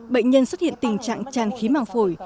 bệnh nhân xuất hiện tình trạng tràn khí màng phổi